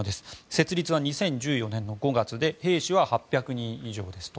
設立は２０１４年５月兵士は８００人以上です。